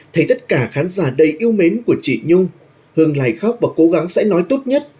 thấy tất cả khán giả đầy yêu mến của chị nhung hương lài khóc và cố gắng sẽ nói tốt nhất